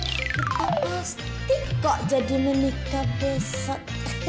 pasti kok jadi menikah besok